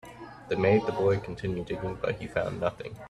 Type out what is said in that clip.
They made the boy continue digging, but he found nothing.